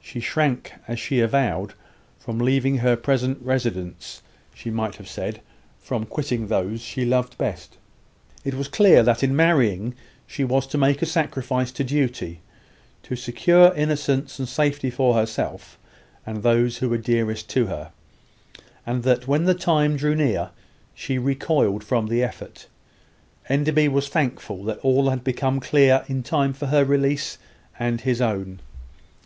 She shrank, as she avowed, from leaving her present residence she might have said, from quitting those she loved best. It was clear that in marrying she was to make a sacrifice to duty to secure innocence and safety for herself and those who were dearest to her; and that, when the time drew near, she recoiled from the effort. Enderby was thankful that all had become clear in time for her release and his own.